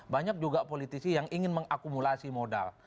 banyak juga politisi yang ingin mengakumulasi modal